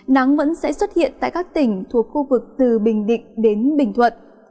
nắng vẫn sẽ xuất hiện tại các tỉnh thuộc khu vực từ bình định đến bình thuận